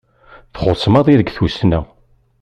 Txuṣṣ maḍi deg Tussna.